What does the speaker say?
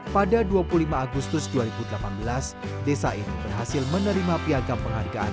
pada dua puluh lima agustus dua ribu delapan belas desa ini berhasil menerima piagam penghargaan